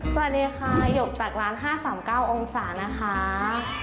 สวัสดีค่ะหยกจากร้าน๕๓๙องศานะคะ